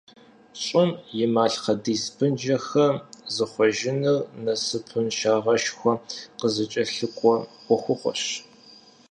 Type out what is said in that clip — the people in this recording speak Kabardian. ЩӀым и малъхъэдис бынжэхэм захъуэжыныр насыпыншагъэшхуэ къызыкӀэлъыкӀуэ Ӏуэхугъуэщ.